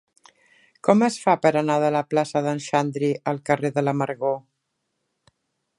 Com es fa per anar de la plaça d'en Xandri al carrer de l'Amargor?